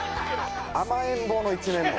甘えん坊の一面も。